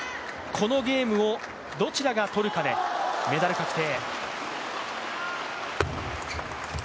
このゲームをどちらが取るかでメダル確定。